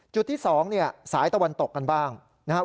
จุดที่๒เนี่ยสายตะวันตกกันบ้างนะครับ